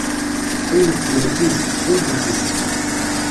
Ayen iflen i tizi, ur d-itezzi.